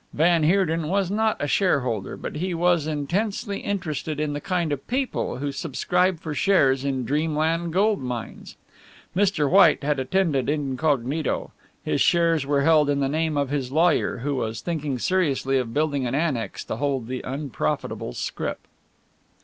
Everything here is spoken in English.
Van Heerden was not a shareholder, but he was intensely interested in the kind of people who subscribe for shares in Dreamland Gold mines. Mr. White had attended incognito his shares were held in the name of his lawyer, who was thinking seriously of building an annex to hold the unprofitable scrip.